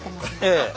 ええ。